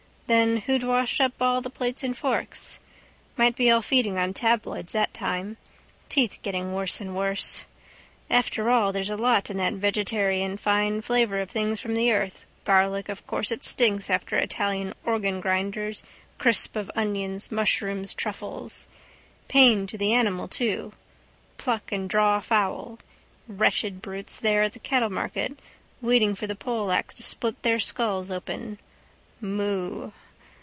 Then who'd wash up all the plates and forks? Might be all feeding on tabloids that time. Teeth getting worse and worse. After all there's a lot in that vegetarian fine flavour of things from the earth garlic of course it stinks after Italian organgrinders crisp of onions mushrooms truffles. Pain to the animal too. Pluck and draw fowl. Wretched brutes there at the cattlemarket waiting for the poleaxe to split their skulls open. Moo.